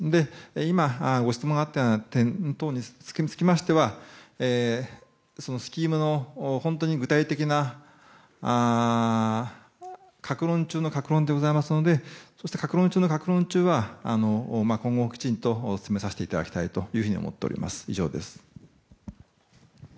今、ご質問があった点につきましてはスキームの本当に具体的な各論中の各論ですのでそうした各論中の各論は今後、きちんと詰めさせていただきたいと思っております。